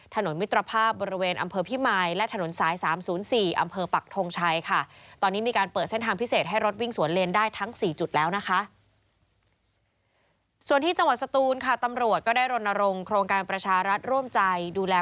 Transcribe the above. ถนนมิตรภาพบริเวณอำเภอพิมายและถนนสาย๓๐๔อำเภอปักทงชัย